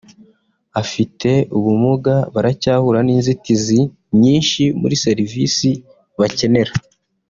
Abafite ubumuga baracyahura n’inzitizi nyinshi muri serivisi bakenera